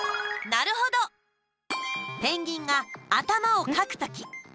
ペンギンが頭をかくとき。